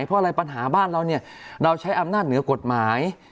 เพราะอะไรปัญหาบ้านเราเนี่ยเราใช้อำนาจเหนือกฎหมาย